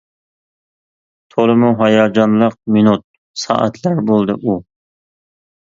تولىمۇ ھاياجانلىق مىنۇت، سائەتلەر بولدى ئۇ.